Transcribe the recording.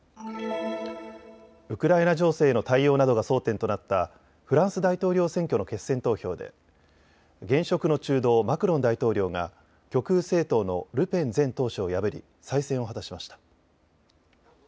ウクライナ情勢への対応などが争点となったフランス大統領選挙の決選投票で現職の中道、マクロン大統領が極右政党のルペン前党首を破り再選を果たしました。